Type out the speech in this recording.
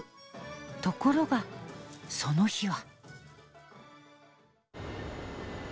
ところがその日は。